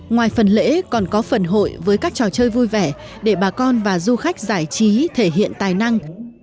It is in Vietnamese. ngoài phần lễ còn có phần hội với các trò chơi vui vẻ để bà con và du khách giải trí thể hiện tài năng